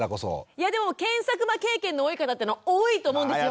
いやでも検索魔経験の多い方って多いと思うんですよ。